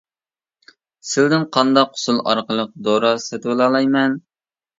سىلىدىن قانداق ئۇسۇل ئارقىلىق دورا سېتىۋالالايمەن.